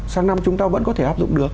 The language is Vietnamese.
sáng năm chúng ta vẫn có thể áp dụng được